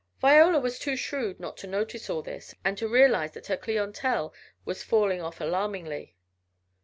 Viola was too shrewd not to notice all this, and to realize that her clientele was falling off alarmingly.